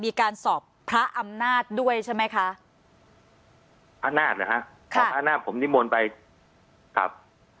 มีการสอบพระอำนาจด้วยใช่ไหมคะพระอำนาจเหรอฮะครับพระอำนาจผมนิมนต์ไปครับ